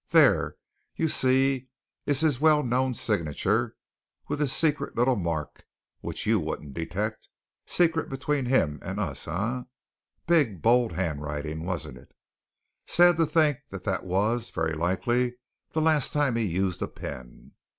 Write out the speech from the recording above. There, you see, is his well known signature with his secret little mark which you wouldn't detect secret between him and us, eh! big, bold handwriting, wasn't it? Sad to think that that was very likely the last time he used a pen!"